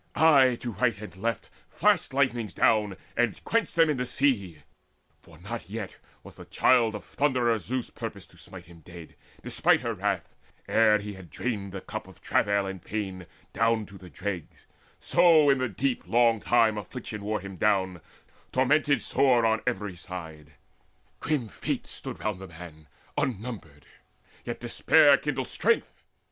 Aye to right and left Flashed lightnings down, and quenched them in the sea; For not yet was the Child of Thunderer Zeus Purposed to smite him dead, despite her wrath, Ere he had drained the cup of travail and pain Down to the dregs; so in the deep long time Affliction wore him down, tormented sore On every side. Grim Fates stood round the man Unnumbered; yet despair still kindled strength.